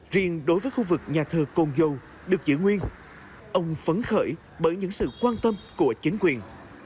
riêng đối với khu vực nhà thờ côn dầu được giữ nguyên ông phấn khởi bởi những sự quan tâm của chính quyền